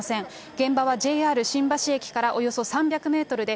現場はＪＲ新橋駅からおよそ３００メートルで、